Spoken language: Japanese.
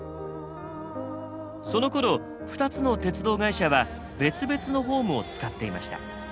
そのころ２つの鉄道会社は別々のホームを使っていました。